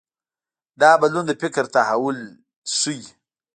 دا بدلون د فکر تحول ښيي.